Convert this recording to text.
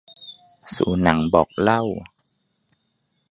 สู่หนังบอกเล่า